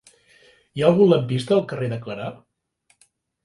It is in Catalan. Hi ha algun lampista al carrer de Clarà?